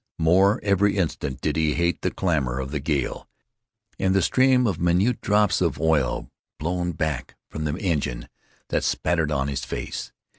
More every instant did he hate the clamor of the gale and the stream of minute drops of oil, blown back from the engine, that spattered his face.